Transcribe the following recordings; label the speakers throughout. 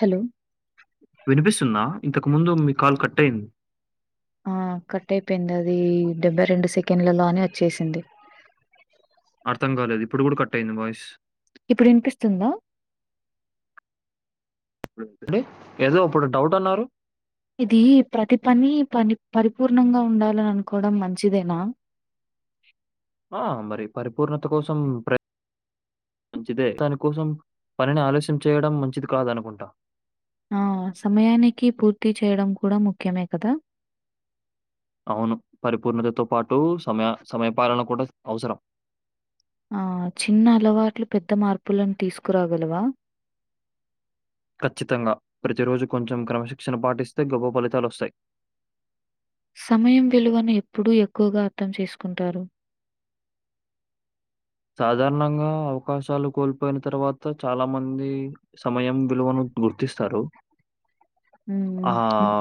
Speaker 1: Hello
Speaker 2: వినిపిస్తుంద ఇంతకు ముందు మీ కాల్ కట్ అయింది
Speaker 1: ఆ కట్ అయిపోయింది అది డెబ్బై రెండు సెకండ్లలో అని వచ్చేసింది
Speaker 2: అర్థం కాలేదు ఇప్పుడు కూడ కట్ అయింది వాయిస్
Speaker 1: ఇప్పుడు వినిపిస్తుంద
Speaker 2: [unintelligible] ఏదో అప్పుడు డౌట్ అన్నారు
Speaker 1: ఇది ప్రతి పని పని పరిపూర్ణంగ ఉండాలని అనుకోవడం మంచిదేనా
Speaker 2: ఆ మరి పరిపూర్ణత కోసం [unintelligible] మంచిదే దానికోసం పనిని ఆలస్యం చేయడం మంచిది కాదు అనుకుంటా
Speaker 1: ఆ సమయానికి పూర్తి చేయడం కూడ ముఖ్యమే కదా
Speaker 2: అవును పరిపూర్ణతతో పాటు సమయ సమయ పాలన కూడా అవసరం
Speaker 1: ఆ చిన్న అలవాట్లు పెద్ద మార్పులను తీసుకురాగలవా
Speaker 2: ఖచ్చితంగా ప్రతి రోజు కొంచెం క్రమశిక్షణ పాటిస్తే గొప్ప ఫలితాలు వస్తాయి
Speaker 1: సమయం విలువను ఎప్పుడూ ఎక్కువగా అర్థం చేసుకుంటారు
Speaker 2: సాధారణంగా అవకాశాలు కోల్పోయిన తర్వాత చాల మంది సమయం విలువను గుర్తిస్తారు
Speaker 1: హ్మ్.
Speaker 2: ఆ
Speaker 1: హ్మ్.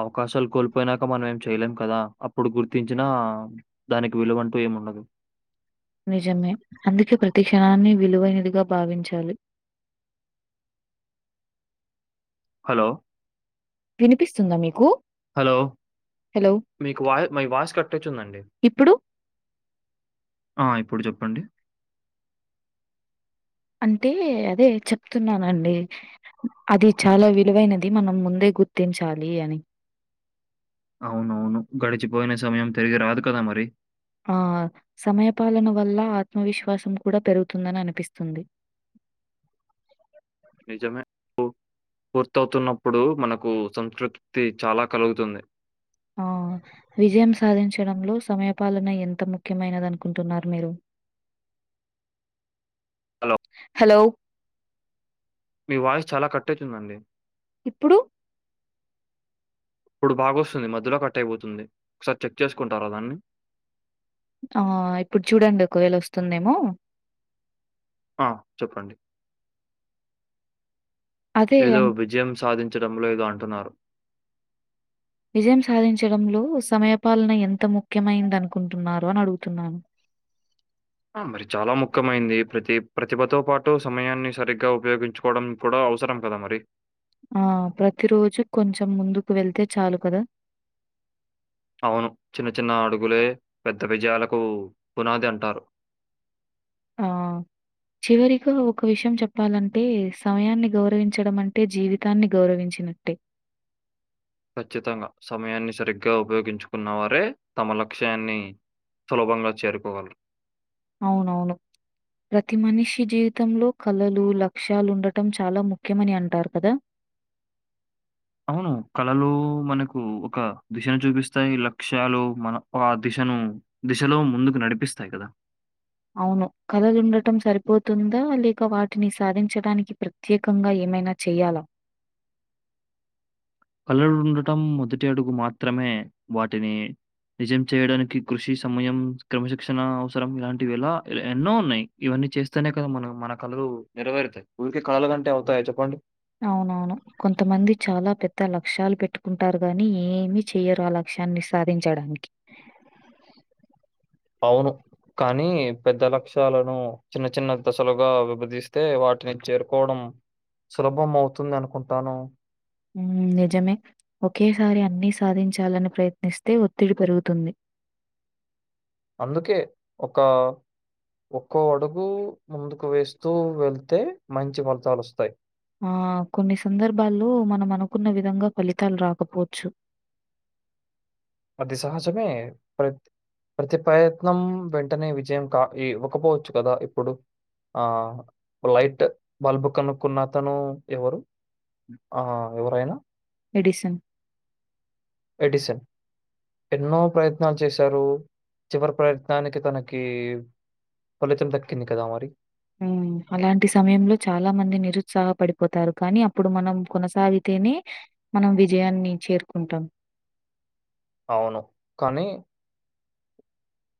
Speaker 2: అవకాశాలు కోల్పోయినాక మనం ఏం చేయలేం కదా అప్పుడు గుర్తించిన దానికి విలువ అంటూ [unintelligible] ఉండదు
Speaker 1: నిజమే అందుకే ప్రతి క్షణాన్ని విలువైనదిగ భావించాలి
Speaker 2: హలో
Speaker 1: వినిపిస్తుంద మీకు
Speaker 2: హలో
Speaker 1: హలో.
Speaker 2: మీకు వా మీ వాయిస్ [unintelligible]
Speaker 1: ఇప్పుడు?
Speaker 2: ఆ ఇప్పుడు చెప్పండి
Speaker 1: అంటే అదే చెప్తున్నానండి అది చాల విలువైనది మనం ముందే గుర్తించాలి అని
Speaker 2: అవునవును గడిచిపోయిన సమయం తిరిగి రాదు కదా మరి
Speaker 1: ఆ సమయ పాలన వల్ల ఆత్మవిశ్వాసం కూడా పెరుగుతుందని అనిపిస్తుంది
Speaker 2: నిజమే పూర్తవుతున్నప్పుడు మనకు సంస్కృతి చాలా కలుగుతుంది
Speaker 1: ఆ విజయం సాధించడంలో సమయ పాలన ఎంత ముఖ్యమైనది అనుకుంటున్నారు మీరు
Speaker 2: హలో!
Speaker 1: హలో
Speaker 2: మీ వాయిస్ చాల కట్ అయితుందండి
Speaker 1: ఇప్పుడు
Speaker 2: ఇప్పుడు బాగాస్తుంది మధ్యలో కట్ అయిపోతుంది ఒకసారి చెక్ చేసుకుంటార దాన్ని
Speaker 1: ఆ ఇప్పుడు చూడండి ఒకవేళ వస్తుందేమో
Speaker 2: ఆ చెప్పండి
Speaker 1: అదే
Speaker 2: ఏదో
Speaker 1: అన్
Speaker 2: విజయం సాధించడంలో ఏదో అంటున్నారు
Speaker 1: విజయం సాధించడంలో సమయ పాలన ఎంత ముఖ్యమైంది అనుకుంటున్నారు అని అడుగుతున్నాను
Speaker 2: ఆ మరి చాల ముఖ్యమైంది ప్రతి ప్రతిభతో పాటు సమయాన్ని సరిగ్గా ఉపయోగించు కోవడం కూడ అవసరం కదా మరి
Speaker 1: ఆ ప్రతి రోజు కొంచెం ముందుకు వెళ్తే చాలు కదా
Speaker 2: అవును చిన్న చిన్న అడుగులే పెద్ద విజయాలకు పునాది అంటారు
Speaker 1: ఆ చివరిగా ఒక విషయం చెప్పాలంటే సమయాన్ని గౌరవించడం అంటే జీవి [unintelligible] గౌవించినట్టే
Speaker 2: ఖచ్చితంగా సమయాన్ని సరిగ్గా ఉపయోగించుకున్న వారే తమ లక్ష్యాన్ని సులభంగా చేరుకోవాలి
Speaker 1: అవునవును ప్రతి మనిషి జీవితంలో కళలు లక్ష్యాలు ఉండటం చాలా ముఖ్యమని అంటారు కదా
Speaker 2: అవును కళలో మనకు ఒక దిశను చూపిస్తాయి లక్ష్యాలు మన ఆ దిశను దిశలో ముందుకు నడిపిస్తాయి కదా
Speaker 1: అవును కథలుండటం సరిపోతుందా లేక వాటిని సాధించడానికి ప్ర ప్రత్యేకంగా ఏమైనా చేయ్యాలా
Speaker 2: కళ్ళలుండటం మొదటి అడుగు మాత్రమే వాటిని నిజం చేయడానికి కృషి సమయం క్రమశిక్షణ అవసరం ఇలాంటివి ఎలా ఎన్నో ఉన్నాయి ఇవన్నీ చేస్తేనే కదా మనం మన కళలు నెరవేరుతాయి ఊరికే కళలు కంటే అవుతాయా చెప్పండి
Speaker 1: అవునవును కొంతమంది చాలా పెద్ద లక్ష్యాలు పెట్టుకుంటారు గాని ఏమి చెయ్యరు అలా లక్ష్యాన్ని సాధించడానికి
Speaker 2: అవును కానీ పెద్ద లక్ష్యాలను చిన్న చిన్న దశలుగా విభజస్తే వాటిని చేరుకోవడం సులభం అవుతుంది అనుకుంటాను
Speaker 1: మ్మ్ నిజమే ఒకేసారి అన్ని సాధించాలని ప్రయత్నిస్తే ఒత్తిడి పెరుగుతుంది
Speaker 2: అందుకే ఒక ఒక్కో అడుగు ముందుకు వేస్తూ వెళ్తే మంచి ఫలితాలు వస్తాయి
Speaker 1: ఆ కొన్ని సందర్భాల్లో మనం అనుకున్న విధంగా ఫలితాలు రాకపోవచ్చు
Speaker 2: అది సహజమే ప్రత్ ప్రతి ప్రయత్నం వెంటనే విజయం కా ఇ ఇవ్వకపోవచ్చు కదా ఇప్పుడు ఆ లైట్ బల్బ్ కనుక్కున్న తను ఎవరు ఆ ఎవరైనా
Speaker 1: ఎడిసన్
Speaker 2: ఎడిసన్ ఎన్నో ప్రయత్నాలు చేశారు చివరి ప్రయత్నానికి తనకి ఫలితం దక్కింది కదా మరి
Speaker 1: హ్మ్. అలాంటి సమయంలో చాలా మంది నిరుత్సాహ పడిపోతారు కానీ అప్పుడు మనం కొనసాగితేనే మనం విజయాన్ని చేరుకుంటాం
Speaker 2: అవును కానీ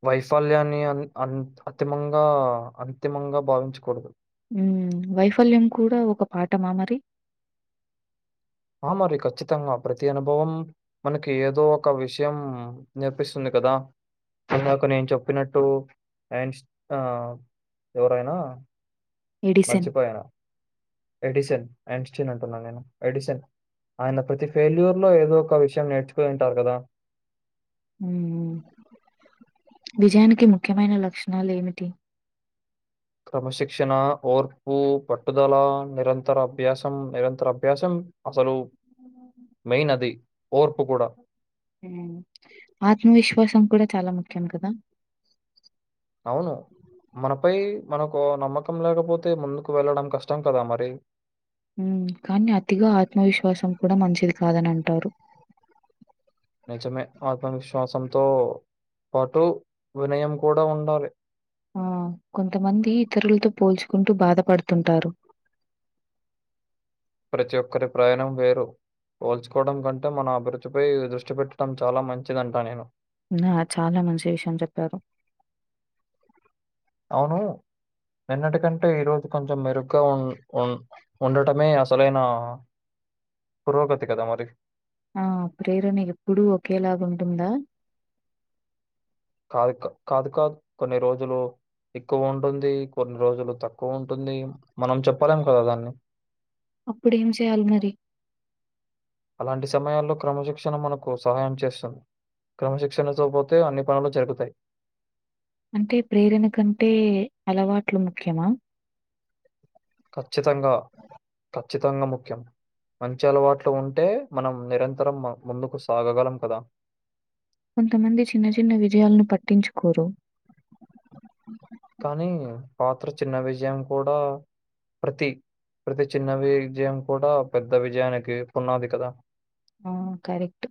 Speaker 2: వైఫల్యాన్ని అ అ అతిమంగా అంతిమంగా భావించకూడదు
Speaker 1: ఉ వైఫల్యం కూడా ఒక పాటమా మరి
Speaker 2: హ మరి ఖచ్చితంగా ప్రతి అనుభవం మనకి ఏదో ఒక విషయం నేర్పిస్తుంది కదా ఇందక నేను చెప్పినట్టు అండ్స్ ఆ ఎవరైనా
Speaker 1: ఎడిసన్.
Speaker 2: మర్చిపోయాను ఎడిసన్ అంన్స్టీన్ అంటున్నా నేను ఎడిసన్ ఆయన ప్రతి ఫెల్యూర్ లో ఏదో ఒక విషయం నేర్చుకున్ని ఉంటారు కదా
Speaker 1: మ్మ్ విజయానికి ముఖ్యమైన లక్షణాలు ఏమిటి
Speaker 2: క్రమశిక్షణ ఓర్పు పట్టుదల నిరంతర అభ్యాసం నిరంతర అభ్యాసం అసలు
Speaker 1: ఉ
Speaker 2: మెయిన్ అది ఓర్పు కూడా
Speaker 1: మ్మ్ ఆత్మవిశ్వాసం కూడా చాలా ముఖ్యం కదా
Speaker 2: అవును మనపై మనకు నమ్మకం లేకపోతే ముందుకు వెళ్ళడం కష్టం కదా మరి
Speaker 1: మ్మ్ కానీ అతిగా ఆత్మవిశ్వాసం కూడా మంచిది కాదని అంటారు
Speaker 2: నిజమే ఆత్మవిశ్వాసంతో పాటు వినయం కూడా ఉండాలి
Speaker 1: ఆ కొంతమంది ఇతరులతో పోల్చుకుంటూ బాధపడుతుంటారు
Speaker 2: ప్రతి ఒక్కరి ప్రయాణం వేరు పోల్చుకోవడం కంటే మన అభిరుృద్ధి పై దృష్టి పెట్టడం చాలా మంచిదంట నేను
Speaker 1: నా చాలా మంచి విషయం చెప్పారు
Speaker 2: అవును నిన్నటికంటే ఈరోజు కొంచెం మెరుగ్గా ఉన్ ఉన్ ఉండటమే అసలైన పురోగతి కదా మరి
Speaker 1: ఆ ప్రేరణ ఎప్పుడు ఒకేలాగా ఉంటుందా
Speaker 2: కాదు కాదు కాదు కొన్ని రోజులు ఎక్కువ ఉంటుంది కొన్ని రోజులు తక్కువ ఉంటుంది మనం చెప్పలేం కదా దాన్ని
Speaker 1: అప్పుడు ఏం చేయాలి మరి
Speaker 2: అలాంటి సమయాల్లో క్రమశిక్షణ మనకు సహాయం చేస్తది క్రమశిక్షణతో పోతే అన్ని పనులు జరుగుతాయి
Speaker 1: అంటే ప్రేరణ కంటే అలవాట్లు ముఖ్యమా
Speaker 2: ఖచ్చితంగా ఖచ్చితంగా ముఖ్యం మంచి అలవాట్లు ఉంటే మనం నిరంతరం ము ముందుకు సాగగలం కదా
Speaker 1: కొంతమంది చిన్న చిన్న విజయాలను పట్టించుకోరు
Speaker 2: కానీ పాత్ర చిన్న విజయం కూడా ప్రతి ప్రతి చిన్న విజయం కూడా పెద్ద విజయానికి పునాది కదా
Speaker 1: ఆ కరెక్ట్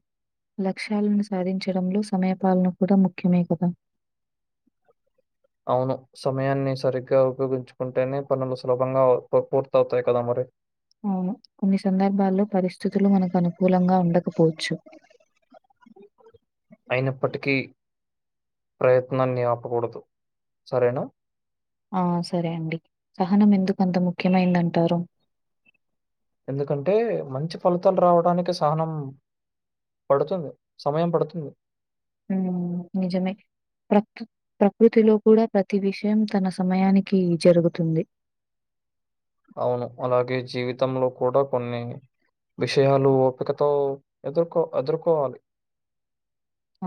Speaker 1: లక్ష్యాలను సాధించడంలో సమయ పాలన కూడా ముఖ్యమే కదా
Speaker 2: అవును సమయాన్ని సరిగ్గా ఉపయోగించుకుంటేనే పనులు సులభంగా అ పు పూర్తి అవుతాయి కదా మరి
Speaker 1: అవును కొన్ని సందర్భాల్లో పరిస్థితులు మనకు అనుకూలంగా ఉండకపోవచ్చు
Speaker 2: అయినప్పటికీ ప్రయత్నాన్ని ఆపకూడదు సరేనా
Speaker 1: ఆ సరే అండి సహనం ఎందుకు అంత ముఖ్యమైంది అంటారు
Speaker 2: ఎందుకంటే మంచి ఫలితాలు రావడానికి సహనం పడుతుంది సమయం పడుతుంది
Speaker 1: మ్మ్ నిజమే ప్రకు ప్రకృతిలో కూడా ప్రతి విషయం తన సమయానికి జరుగుతుంది
Speaker 2: అవును అలాగే జీవితంలో కూడా కొన్ని విషయాలు ఓపికతో ఎదుర్కో ఎదుర్కోవాలి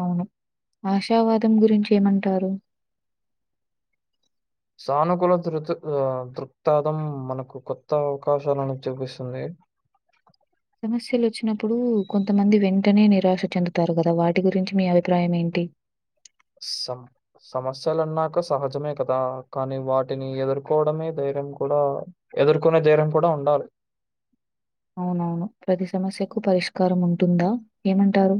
Speaker 1: అవును ఆశావాదం గురించి ఏమంటారు
Speaker 2: సానుకూల దృ రుతు ఆ దృక్తాదం మనకు కొత్త అవకాశాలనేది చూపిస్తుంది
Speaker 1: సమస్యలు వచ్చినప్పుడు కొంతమంది వెంటనే నిరాశ చెందుతారు కదా వాటి గురించి మీ అభిప్రాయం ఏంటి
Speaker 2: స సమస్యలన్నాక సహజమే కదా కానీ వాటిని ఎదుర్కోవడమే ధైర్యం కూడా ఎదుర్కొనే ధైర్యం కూడా ఉండాలి
Speaker 1: అవునవును ప్రతి సమస్యకు పరిష్కారం ఉంటుందా ఏమంటారు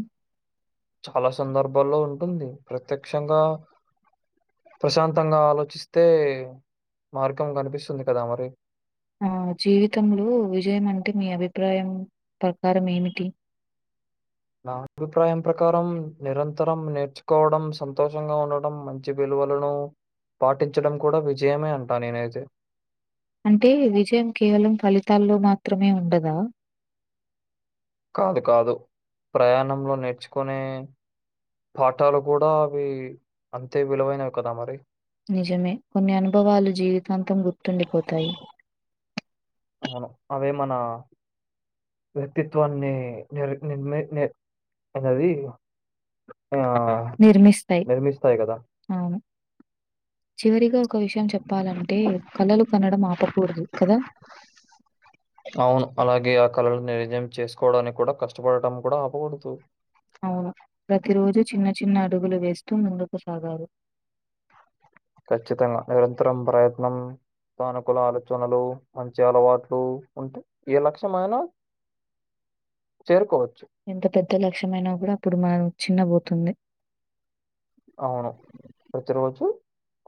Speaker 2: చాలా సందర్భాల్లో ఉంటుంది ప్రత్యక్షంగా ప్రశాంతంగా ఆలోచిస్తే మార్గం కనిపిస్తుంది కదా మరి
Speaker 1: ఆ జీవితంలో విజయం అంటే మీ అభిప్రాయం ప్రకారం ఏమిటి
Speaker 2: నా అభిప్రాయం ప్రకారం నిరంతరం నేర్చుకోవడం సంతోషంగా ఉండటడం మం చి విలువలను పాటించడం కూడా విజయమే అంటా నేనైతే
Speaker 1: అంటే విజయం కేవలం ఫలితాల్లో మాత్రమే ఉండదా
Speaker 2: కాదు కాదు ప్రయాణంలో నేర్చుకునే పాఠాలు కూడా అవి అంతే విలువైనవి కదా మరి
Speaker 1: నిజమే కొన్ని అనుభవాలు జీవితాంతం గుర్తుండిపోతాయి
Speaker 2: అవును అవే మన వ్యక్తిత్వాన్ని నిర్ నిర్మి అనేది ఆ
Speaker 1: నిర్మిస్తాయి అవును చివరిగా ఒక విషయం చెప్పాలంటే కళలు కనడం ఆపకూడదు కదా
Speaker 2: అవును అలాగే ఆ కళలను నిర్ణయం చేసుకోవడానికి కూడా కష్టపడటం కూడా ఆపకూడదు
Speaker 1: అవును ప్రతి రోజు చిన్న చిన్న అడుగులు వేస్తూ ముందుకు సాగారు
Speaker 2: ఖచ్చితంగా నిరంతరం ప్రయత్నం స్థనుకూల ఆలోచనలు మంచి అలవాట్లు ఉంటే ఏ లక్ష్యం అయినా చేరుకోవచ్చు
Speaker 1: ఎంత పెద్ద లక్ష్యంమయినా కూడా అప్పుడు మనం చిన్న పోతుంది
Speaker 2: అవును ప్రతిరోజు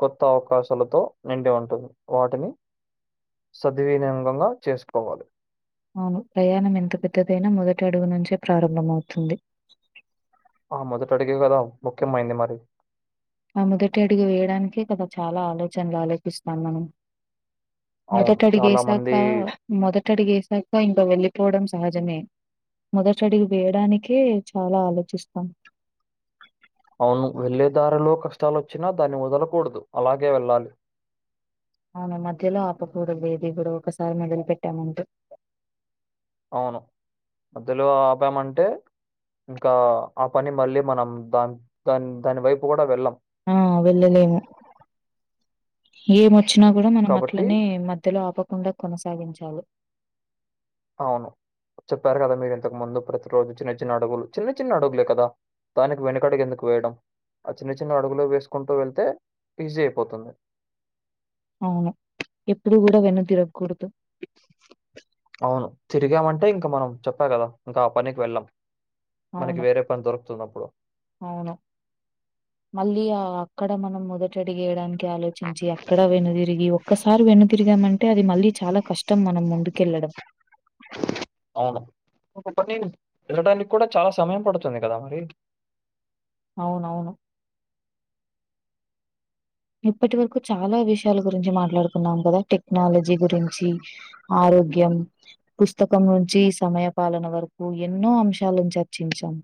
Speaker 2: కొత్త అవకాశాలతో నిండి ఉంటుంది వాటిని సద్వినియోగంగా చేసుకోవాలి
Speaker 1: అవును ప్రయాణం ఎంత పెద్దదైనా మొదటి అడుగు నుంచే ప్రారంభం అవుతుంది
Speaker 2: ఆ మొదట అడిగే కదా ముఖ్యమైంది మరి
Speaker 1: ఆ మొదటి అడుగు వేయడానికే కదా చాలా ఆలోచనలు ఆలోపిస్తాం మనం
Speaker 2: అవును. చాలా
Speaker 1: మొదటడిగేశాక
Speaker 2: మంది
Speaker 1: మొదటడిగేశాక ఇంకా వెళ్ళిపోవడం సహజమే మొదట అడిగు వేయడానికే చాలా ఆలోచిస్తాం
Speaker 2: అవును వెళ్ళే దారిలో కష్టాలు వచ్చినా దాన్ని వదలకూడదు అలాగే వెళ్ళాలి
Speaker 1: అవును మధ్యలో ఆపకూడదు ఏది కూడా ఒకసారి మొదలి పెట్టామంటూ
Speaker 2: అవును మధ్యలో ఆపామంటే ఇంకా ఆ పని మళ్ళీ మనం దాన్ దాన్ దాని వైపు కూడా వెళ్ళాం
Speaker 1: ఆ వెళ్ళలేము ఎమో వచ్చినా కూడా మనం
Speaker 2: కాబట్టి
Speaker 1: అట్లనే మధ్యలో ఆపకుండా కొనసాగించాలి
Speaker 2: అవును చెప్పారు కదా మీరు ఇంతకు ముందు ప్రతి రోజు చిన్న చిన్న అడుగులు చిన్న చిన్న అడుగులే కదా దానికి వెనకడుగు ఎందుకు వేయడం ఆ చిన్న చిన్న అడుగులే వేసుకుంటూ వెళ్తే ఈజీ అయిపోతుంది
Speaker 1: అవును ఎప్పుడు కూడా వెన్ను తిరగకూడదు
Speaker 2: అవును తిరిగామంటే ఇంకా మనం చెప్పా కదా ఇంకా ఆ పనికి వెళ్ళాం మనకి
Speaker 1: అవును
Speaker 2: వేరే పని దొరుకుతుందప్పుడు
Speaker 1: అవును మళ్ళీ అక్కడ మనం మొదట అడిగేయడానికి ఆలో చర్చించి అక్కడ వెన్ను తిరిగి ఒక్కసారి వెన్ను తిరిగామంటే అది మళ్ళీ చాలా కష్టం మనం ముందుకెళ్ళడం
Speaker 2: అవును ఒక పని వెళ్ళడానికి కూడా చాలా సమయం పడుతుంది కదా మరి
Speaker 1: అవునవును ఇప్పటి వరకు చాలా విషయాల గురించి మాట్లాడుకున్నాం కదా టెక్నాలజీ గురించి ఆరోగ్యం పుస్తకం నుంచి సమయ పాలన వరకు ఎన్నో అంశాలను చర్చించాం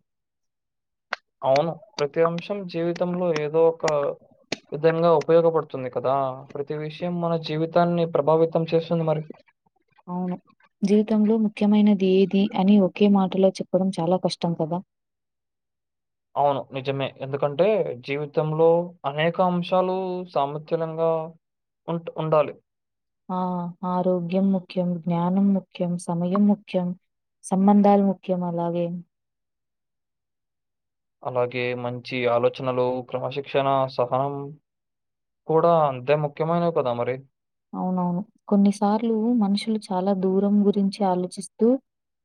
Speaker 2: అవును ప్రతి అంశం జీవితంలో ఏదో ఒక విధంగా ఉపయోగపడుతుంది కదా ప్రతి విషయం మన జీవితాన్ని ప్రభావితం చేస్తుంది మరి
Speaker 1: అవును జీవితంలో ముఖ్యమైనది ఏది అని ఒకే మాటలో చెప్పడం చాలా కష్టం కదా
Speaker 2: అవును నిజమే ఎందుకంటే జీవితంలో అనేక అంశాలు సామతలంగా ఉంట్ ఉండాలి
Speaker 1: ఆ ఆరోగ్యం ముఖ్యం, జ్ఞానం ముఖ్యం, సమయం ముఖ్యం. సమ్మందాలు ముఖ్యం అలాగే
Speaker 2: అలాగే మంచి ఆలోచనలు క్రమశిక్షణ సహనం కూడా అంతే ముఖ్యమైనవి కదా మరి
Speaker 1: అవునవును కొన్నిసార్లు మనుషులు చాలా దూరం గురించి ఆలోచిస్తూ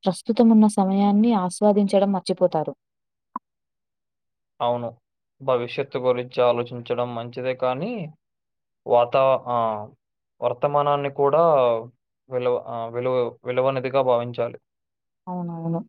Speaker 1: ప్రస్తుతం ఉన్న సమయాన్ని ఆస్వాదించడం మర్చిపోతారు
Speaker 2: అవును భవిష్యత్తు గురించి ఆలోచించడం మంచిదే కానీ వాతావరణ ఆ వర్తమానాన్ని కూడా విలువ విలువ విలువనదిగా భావించాలి
Speaker 1: అవునవును